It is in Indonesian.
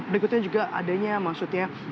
berikutnya juga adanya maksudnya